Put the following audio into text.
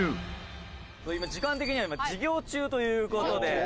「時間的には今授業中という事で」